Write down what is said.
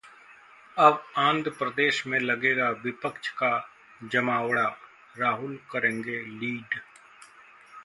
अब आंध्र प्रदेश में लगेगा विपक्ष का जमावड़ा, राहुल करेंगे लीड